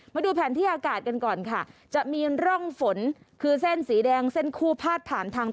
มาดูแผนที่อากาศกันก่อนค่ะจะมีร่องฝนคือเส้นสีแดงเส้นคู่พาดผ่านทาง